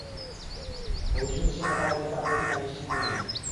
ভবিষ্যতে সে কথা বলতে পারবে কি-না নিশ্চিত নই।